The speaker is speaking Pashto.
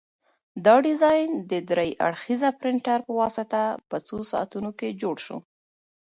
دا ډیزاین د درې اړخیزه پرنټر په واسطه په څو ساعتونو کې جوړ شو.